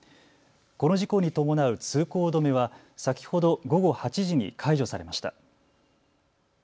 この事故に伴う通行止めは先ほど午後８時に解除されました。